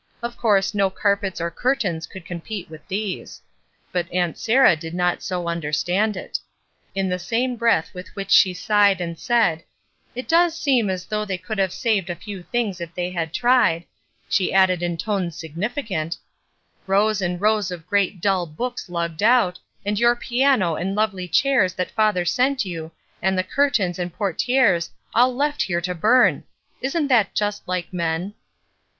Of course no carpets or curtains could compete with these; but Aunt Sarah did not so under stand it. In the same breath with which she sighed and said, ''It does seem as though they could have saved a few things if they had tried," she added in tones significant, ''Rows and rows of great, dull books lugged out, and your piano and your lovely chairs that father sent you, and the curtains and portieres, all left here to burn! Isn't that just like men?"